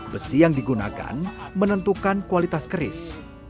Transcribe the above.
besi yang digunakan menentukan kualitas keris